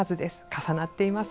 重なっています。